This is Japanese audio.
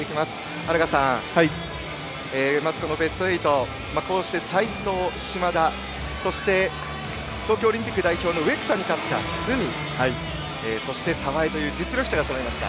荒賀さん、まずベスト８にこうして齊藤、嶋田そして、東京オリンピック代表の植草に勝った角そして、澤江という実力者がそろいました。